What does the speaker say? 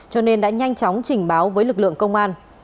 cho nên đã nhanh chóng trình báo với lực lượng công an